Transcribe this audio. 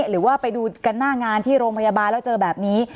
หรือว่าไปดูกันหน้างานที่โรงพยาบาลแล้วเจอแบบนี้